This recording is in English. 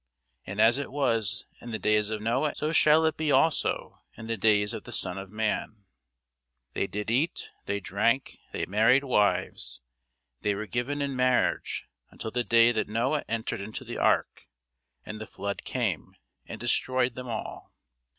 And as it was in the days of Noe, so shall it be also in the days of the Son of man. They did eat, they drank, they married wives, they were given in marriage, until the day that Noe entered into the ark, and the flood came, and destroyed them all.